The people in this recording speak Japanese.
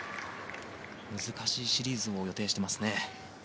難しいシリーズを予定していますね。